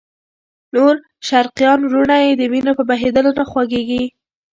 نور شرقیان وروڼه یې د وینو په بهېدلو نه خوږېږي.